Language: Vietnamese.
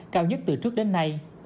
cao nhất từ trước đến nay